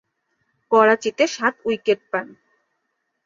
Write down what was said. করাচিতে সাত উইকেট পান।